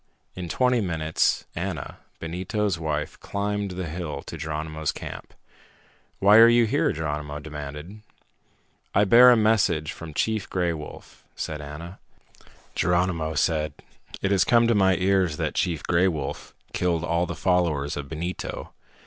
In twenty minutes, Ana, Benito's wife, climbed the hill to Geronimo's camp. "Why are you here?" Geronimo demanded. "I bear a message from Chief Gray Wolf," said Ana. Geronimo said, "It has come to my ears that Chief Gray Wolf killed all the followers of Benito.